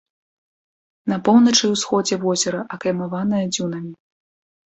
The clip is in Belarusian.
На поўначы і ўсходзе возера акаймаванае дзюнамі.